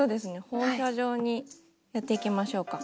放射状にやっていきましょうか。